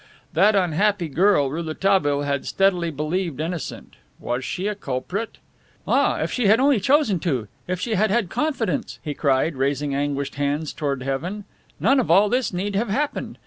That unhappy girl Rouletabille had steadily believed innocent. Was she a culprit? "Ah, if she had only chosen to! If she had had confidence," he cried, raising anguished hands towards heaven, "none of all this need have happened.